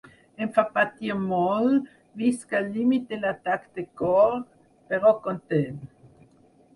Em fa patir molt, visc al límit de l’atac de cor… però content!